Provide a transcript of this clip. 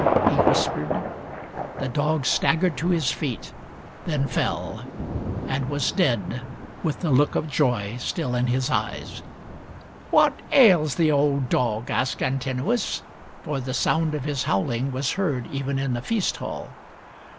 he whispered. The dog staggered to his feet, then fell, and was dead with the look of joy still in his eyes. " What ails the old dog ?" asked Antinous ; for the sound of his howling was heard even in the feast hall.